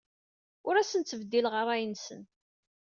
Ur asen-ttbeddileɣ ṛṛay-nsen.